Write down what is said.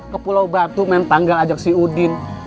ke pulau batu main tanggal ajak si udin